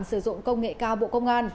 sử dụng công nghệ cao bộ công an